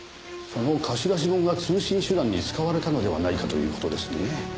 その貸し出し本が通信手段に使われたのではないかという事ですね？